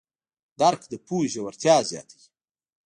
درک د پوهې ژورتیا زیاتوي.